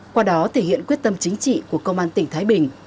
qua đó thể hiện quyết tâm chính trị của công an tỉnh thái bình